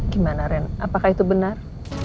gimana ren apakah itu benar